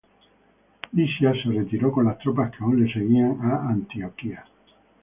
Lisias se retiró con las tropas que aún le seguían a Antioquía.